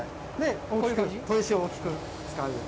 砥石を大きく使う。